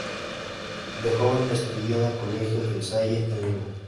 De joven estudió en el Colegio La Salle en Lima.